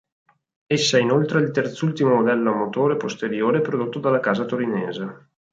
Essa è inoltre il terzultimo modello a motore posteriore prodotto dalla casa torinese.